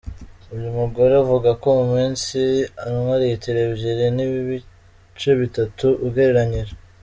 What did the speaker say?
Uyu mugore avuga ko ku munsi anwa litiro ebyiri n’ ibice bitatu ugereranyije.